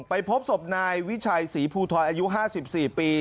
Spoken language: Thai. ไปพบศพนายวิชัยศรีภูทอยอายุ๕๔ปี